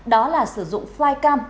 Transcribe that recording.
đó là sử dụng flycam